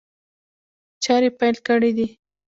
چاري پيل کړي دي.